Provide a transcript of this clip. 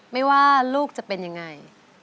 ไม่ว่าลูกจะเป็นยังไง